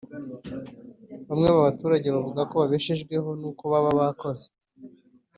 Bamwe mubaturage baravuga ko babeshejweho n’uko baba bakoze